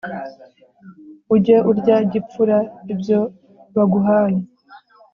Ujye urya gipfura ibyo baguhaye,